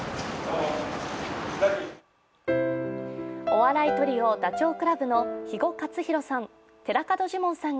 お笑いトリオ、ダチョウ倶楽部の肥後克広さん